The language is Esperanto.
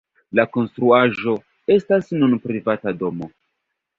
La konstruaĵo estas nun privata domo.